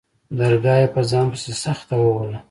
درگاه يې په ځان پسې سخته ووهله.